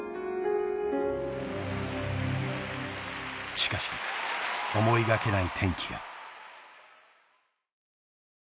［しかし思いがけない転機が］